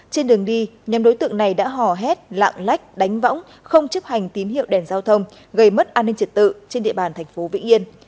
trên đường đi nhóm đối tượng này đã hò hét lạng lách đánh võng không chấp hành tín hiệu đèn giao thông gây mất an ninh trật tự trên địa bàn thành phố vĩnh yên